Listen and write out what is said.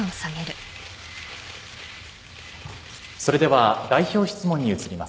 それでは代表質問に移ります。